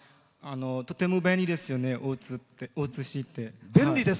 とても便利ですよね大津市って。